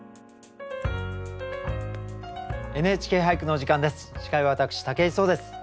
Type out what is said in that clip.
「ＮＨＫ俳句」の時間です。